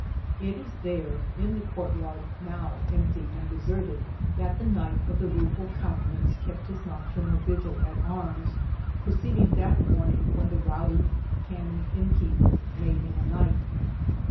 • It is there, in the court yard now empty and deserted, that the Knight of the 114 J^ A Mi !> g V El Toboso Rueful Countenance kept his nocturnal vigil at arms preceding that morning when the rowdy, canny innkeeper made him a knight.